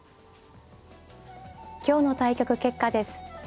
今日の対局結果です。